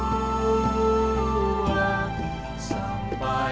sampai akhir menutup mata